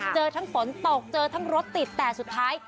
เจอทั้งฝนตกเจอทั้งรถติดแต่สุดท้าย